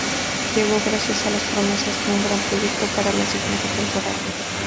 Llegó gracias a las promesas de un gran proyecto para la siguiente temporada.